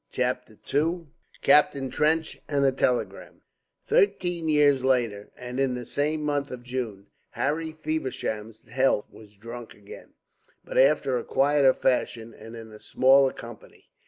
CHAPTER II CAPTAIN TRENCH AND A TELEGRAM Thirteen years later, and in the same month of June, Harry Feversham's health was drunk again, but after a quieter fashion and in a smaller company.